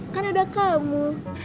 kan ada kamu